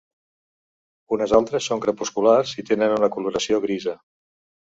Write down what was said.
Unes altres són crepusculars i tenen una coloració grisa.